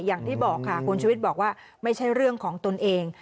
อย่างที่บอกค่ะคุณชวิตบอกว่าไม่ใช่เรื่องของตนเอง